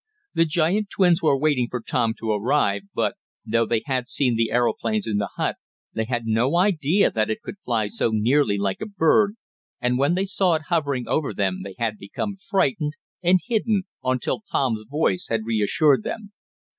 The giant twins were waiting for Tom to arrive, but, though they had seen the aeroplanes in the hut they had no idea that it could fly so nearly like a bird, and when they saw it hovering over them they had become frightened, and hidden, until Tom's voice had reassured them.